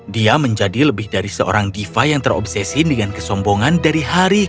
dia menjadi lebih dari seorang diva yang terobsesin dengan kesombongan dari hari ke